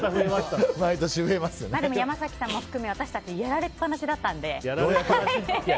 山崎さんも含め、私たちやられっぱなしだったので。